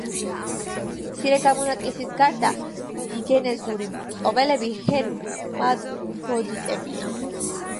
მცირე გამონაკლისის გარდა დიგენეზური მწოველები ჰერმაფროდიტებია.